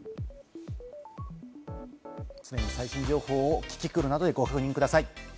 常に最新情報をキキクルなどでご確認ください。